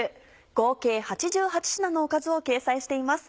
合計８８品のおかずを掲載しています。